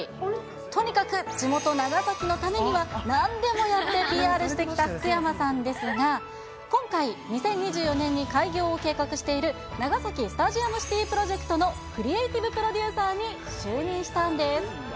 とにかく地元、長崎のためには、なんでもやってＰＲしてきた福山さんですが、今回、２０２４年に開業を計画している長崎スタジアムシティプロジェクトクリエイティブプロデューサーに就任したんです。